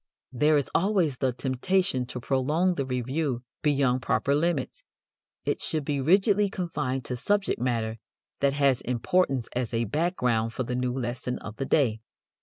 There is always the temptation to prolong the review beyond proper limits. It should be rigidly confined to subject matter that has importance as a background for the new lesson of the day.